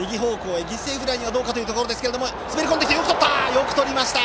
よくとりました！